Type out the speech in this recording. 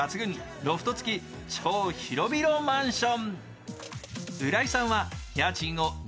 ロフト付き超広々マンション。